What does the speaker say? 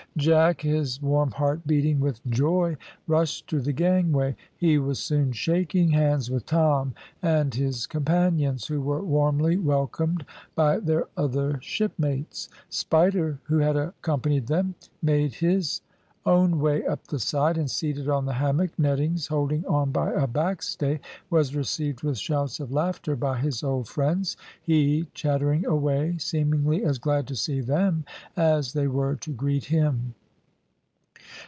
Jack, his warm heart beating with joy, rushed to the gangway. He was soon shaking hands with Tom and his companions, who were warmly welcomed by their other shipmates. Spider, who had accompanied them, made his own way up the side, and seated on the hammock nettings, holding on by a backstay, was received with shouts of laughter by his old friends, he chattering away, seemingly as glad to see them as they were to greet him.